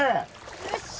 よっしゃ！